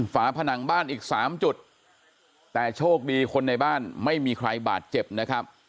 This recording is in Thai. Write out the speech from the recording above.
ฝาผนังบ้านอีกสามจุดแต่โชคดีคนในบ้านไม่มีใครบาดเจ็บนะครับ